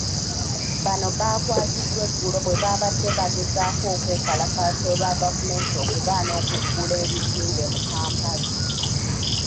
Bano baakwatiddwa eggulo bwebaabadde bagezaako okwekalakaasa olwa gavumenti okugaana okuggula ebizimbe mu Kampala.